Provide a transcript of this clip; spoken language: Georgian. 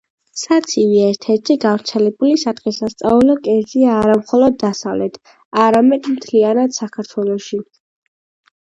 საცივი ერთ ერთი გავრცელებული სადღესასწაულო კერძია არა მხოლოდ დასავლეთ, არამედ მთლიანად საქართველოში.